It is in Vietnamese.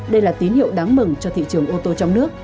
đây là tín hiệu đáng mừng cho thị trường ô tô trong nước